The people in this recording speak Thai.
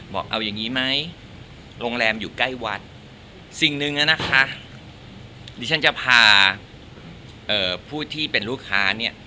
บอกเอาอย่างนี้ไหมโรงแรมอยู่ใกล้วัดสิ่งหนึ่งนะคะดิฉันจะพาผู้ที่เป็นลูกค้าเนี่ย